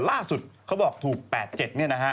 ล่าสุดเขาบอกถูก๘๗เนี่ยนะฮะ